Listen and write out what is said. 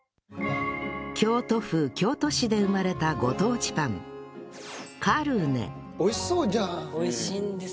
京都府京都市で生まれたご当地パン美味しそうじゃん！